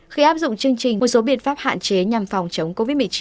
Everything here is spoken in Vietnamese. khi áp dụng chương trình một số biện pháp hạn chế nhằm phòng chống covid một mươi chín